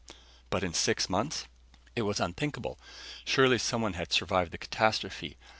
But in six months? It was unthinkable. Surely someone had survived the catastrophe.